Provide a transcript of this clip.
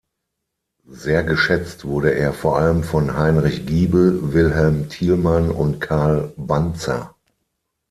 Sehr geschätzt wurde er vor allem von Heinrich Giebel, Wilhelm Thielmann und Carl Bantzer.